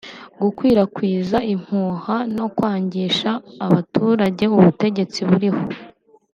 gukwirakwiza impuha no kwangisha abaturage ubutegetsi buriho